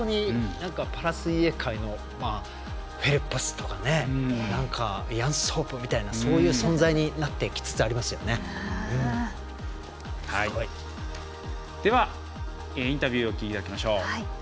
パラ水泳界のフェルプスイアン・ソープみたいなそういう存在にでは、インタビューをお聞きいただきましょう。